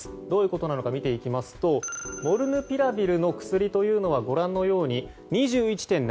どういうことなのか見ていきますとモルヌピラビルの薬というのはご覧のように２１．７ｍｍ。